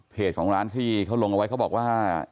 ของร้านที่เขาลงเอาไว้เขาบอกว่า